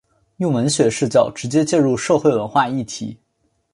用文学视角直接介入社会文化议题。